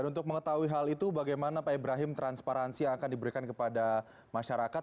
dan untuk mengetahui hal itu bagaimana pak ibrahim transparansi yang akan diberikan kepada masyarakat